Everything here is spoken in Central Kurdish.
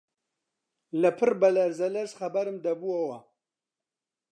لەپڕ بە لەرزە لەرز خەبەرم دەبۆوە